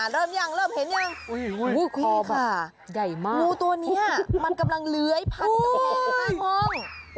เริ่มยังเห็นยังมูตัวนี้มันกำลังเลือยพันกำแพงข้างห้อง